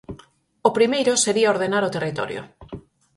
O primeiro sería ordenar o territorio...